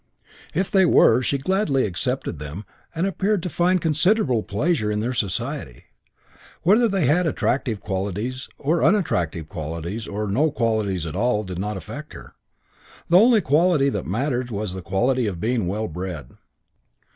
If they were, she gladly accepted them and appeared to find considerable pleasure in their society. Whether they had attractive qualities or unattractive qualities or no qualities at all did not affect her. The only quality that mattered was the quality of being well bred.